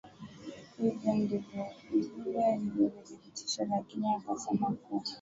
vivyo hivyo vidhibitisho lakini akasema kuwa